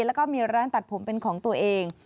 แล้วก็มีร้านตัดผมเป็นของตัวเอง